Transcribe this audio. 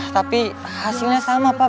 tapi hasilnya sama pak